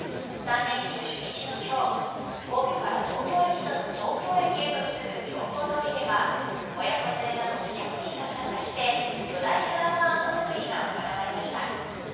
３連休初日の今日皇居から東京駅へと続く行幸通りでは親子連れなど２００人が参加して巨大フラワーアート作りが行われました。